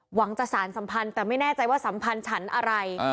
หวังจะสารสัมพันธ์แต่ไม่แน่ใจว่าสัมพันธ์ฉันอะไร